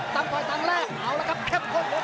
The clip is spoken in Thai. ตั้งต่อตั้งแรกเอาแล้วครับแค่คนเหลือเกิน